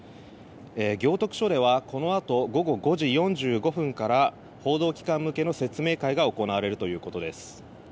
行徳署ではこのあと午後５時４５分から報道機関向けの説明会が行われるということです。